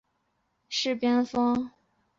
在场上的位置是边锋。